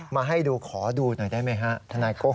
มาให้ดูขอดูหน่อยได้ไหมฮะทนายโก้